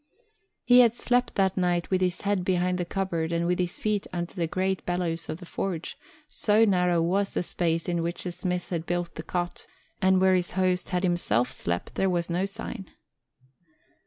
He had slept that night with his head behind the cupboard and with his feet under the great bellows of the forge, so narrow was the space in which the smith had built the cot; and where his host had himself slept there was no sign.